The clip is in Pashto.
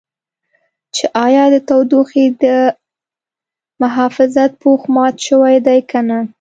چې ایا د تودوخې د محافظت پوښ مات شوی دی که نه.